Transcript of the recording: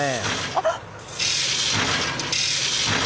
あっ！